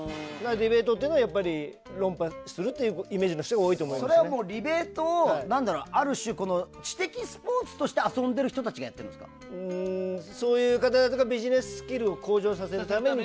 ディベートっていうのはやっぱり論破するというイメージの人がそれはディベートをある種知的スポーツとして遊んでいる人たちがそういう方々とかビジネススキルを向上させるために。